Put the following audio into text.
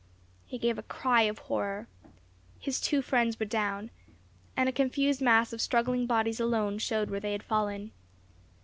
He gave a cry of horror. His two friends were down, and a confused mass of struggling bodies alone showed where they had fallen.